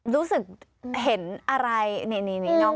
รู้สึกเห็นอะไรในนอก